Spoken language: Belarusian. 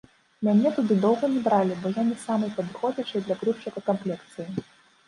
Мяне туды доўга не бралі, бо я не самай падыходзячай для грузчыка камплекцыі.